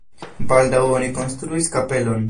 Baldaŭ oni konstruis kapelon.